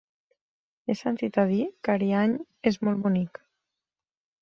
He sentit a dir que Ariany és molt bonic.